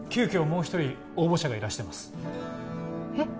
もう一人応募者がいらしてますへっ？